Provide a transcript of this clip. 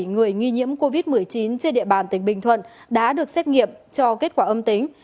bảy người nghi nhiễm covid một mươi chín trên địa bàn tỉnh bình thuận đã được xét nghiệm cho kết quả âm tính